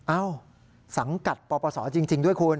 เอ้าสังกัดปปศจริงด้วยคุณ